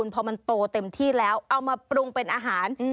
พอมันโตเต็มที่แล้วเอามาปรุงเป็นอาหาร